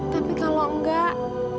tapi kalau enggak